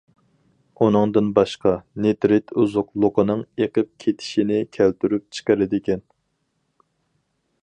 ئۇنىڭدىن باشقا، نىترىت ئوزۇقلۇقنىڭ ئېقىپ كېتىشىنى كەلتۈرۈپ چىقىرىدىكەن.